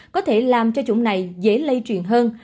có thể làm cho chủng này dễ lây truyền hơn